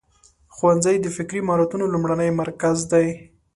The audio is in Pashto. ښوونځی د فکري مهارتونو لومړنی مرکز دی.